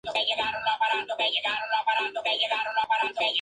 La Ley de Vientres declaraba que los hijos de esclavos nacerían libres.